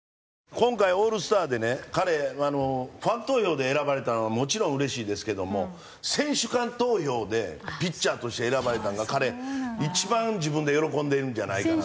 今回オールスターでね彼ファン投票で選ばれたのはもちろんうれしいですけども選手間投票でピッチャーとして選ばれたんが彼一番自分で喜んでいるんじゃないかな。